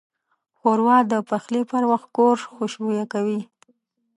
ښوروا د پخلي پر وخت کور خوشبویه کوي.